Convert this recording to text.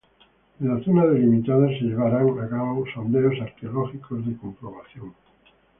En la zona delimitada se llevarán a cabo sondeos arqueológicos de comprobación.